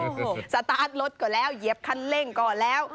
สเปรมาสร้างรถก่อนแล้วเย็บขั้นเร่งก่อนแล้ว